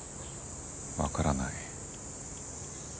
わからない。